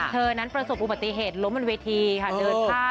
เธอนั้นประสบอุบัติเหตุล้มบนเวทีค่ะเดินผ้า